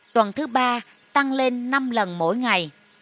tuần thứ ba tăng lên năm lần mỗi ngày